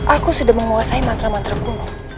aku sudah menguasai mantra mantra kumuh